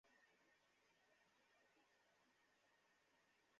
তারপরেও অধিনায়ক মামুনুল ইসলাম চ্যাম্পিয়নশিপ ছাড়া অন্য কিছু ভাবতেই পারছেন না।